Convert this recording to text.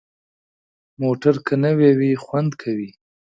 موټر که نوي وي، خوند کوي.